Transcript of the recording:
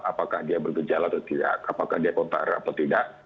apakah dia bergejala atau tidak apakah dia kontak atau tidak